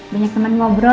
banyak temen ngobrol